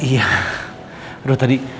iya aduh tadi